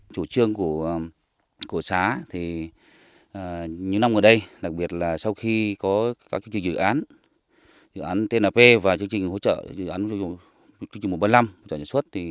chủ trương của xã thì những năm gần đây đặc biệt là sau khi có các dự án dự án tnp và chương trình hỗ trợ dự án chương trình một trăm ba mươi năm